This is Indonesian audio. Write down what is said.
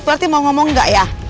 berarti mau ngomong nggak ya